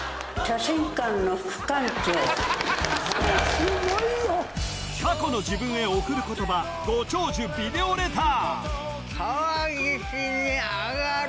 すごいよ過去の自分へ贈る言葉ご長寿ビデオレター